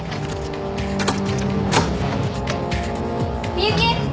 美雪！